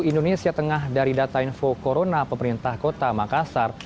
indonesia tengah dari data info corona pemerintah kota makassar